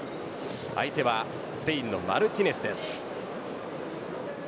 相手はスペインのマルティネスです。